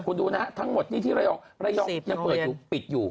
คุณดูนะฮะทั้งหมดนี่ที่ระยองระยองยังเปิดอยู่ปิดอยู่